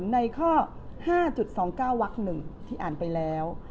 ในข้อ๕๒๙วัก๑ที่อ่านไปแล้ว